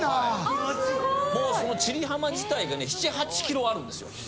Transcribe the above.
・すごい・もうこの千里浜自体がね７８キロあるんですよ。